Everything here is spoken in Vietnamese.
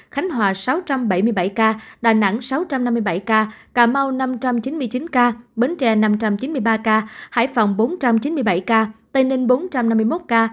khánh hòa sáu trăm bảy mươi bảy ca đà nẵng sáu trăm năm mươi bảy ca cà mau năm trăm chín mươi chín ca bến tre năm trăm chín mươi ba ca hải phòng bốn trăm chín mươi bảy ca tây ninh bốn trăm năm mươi một ca